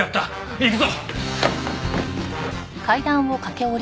行くぞ！